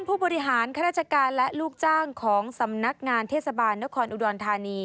ผู้บริหารข้าราชการและลูกจ้างของสำนักงานเทศบาลนครอุดรธานี